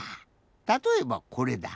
たとえばこれだ。